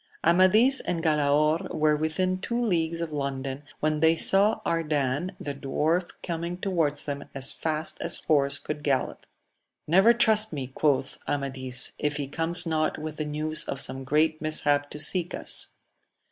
MADIS and Galaor were within two leagues of London when they saw Ardan the dwarf coming towards them as fast as horse could gallop. Never trust me, quoth Amadis, if he comes not with the news of some great mishap to seek us.